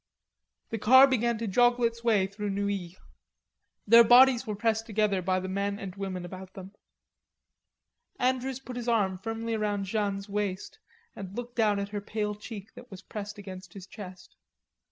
The car began to joggle its way through Neuilly. Their bodies were pressed together by the men and women about them. Andrews put his arm firmly round Jeanne's waist and looked down at her pale cheek that was pressed against his chest.